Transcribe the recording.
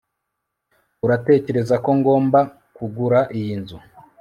uratekereza ko ngomba kugura iyi nzu